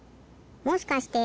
もしかして。